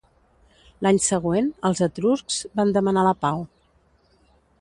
L'any següent els etruscs van demanar la pau.